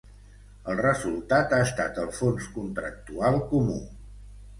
El resultat ha estat el fons contractual comú.